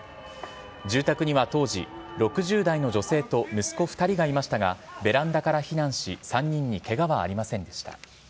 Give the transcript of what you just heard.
住宅には当時６０代の女性と息子２人がいましたがベランダから避難し３人にケガはありませんでした。